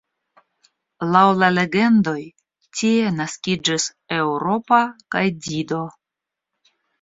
Laŭ la legendoj tie naskiĝis Eŭropa kaj Dido.